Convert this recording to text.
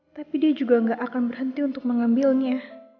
tapi dia juga gak akan berhenti untuk mengambilnya